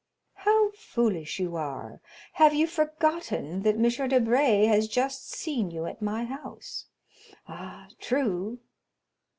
"How foolish you are! Have you forgotten that M. Debray has just seen you at my house?" "Ah, true."